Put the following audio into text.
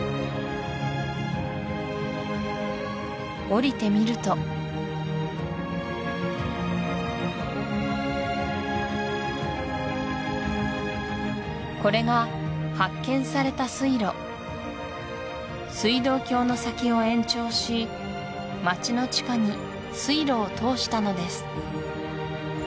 おりてみるとこれが発見された水路水道橋の先を延長し街の地下に水路を通したのです